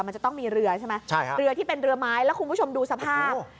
มันจะต้องมีเรือใช่ไหมใช่ครับเรือที่เป็นเรือไม้แล้วคุณผู้ชมดูสภาพ